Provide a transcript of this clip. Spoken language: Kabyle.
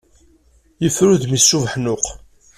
Yeffer udem-is s ubeḥnuq.